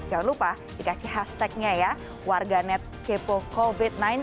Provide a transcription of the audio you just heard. jangan lupa dikasih hashtagnya ya warganetkepocovid sembilan belas